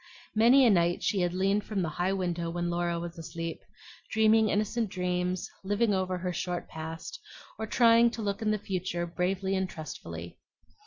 Many a night she had leaned from the high window when Laura was asleep, dreaming innocent dreams, living over her short past, or trying to look into the future bravely and trustfully.